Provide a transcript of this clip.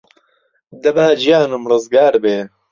دەبا گیانم رزگار بێ